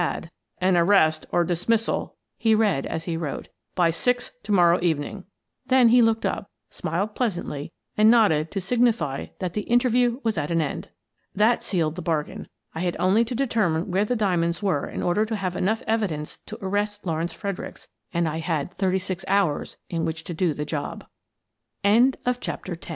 88 Miss Frances Baird, Detective " An arrest or dismissal/' he read as he wrote, " by six to morrow evening/' Then he looked up, smiled pleasantly, and nodded to signify that the interview was at an end. That sealed the bargain. I had only to deter mine where the diamonds were in order to have enough evidence to arrest Lawrence Fredericks, and I had thirty six hours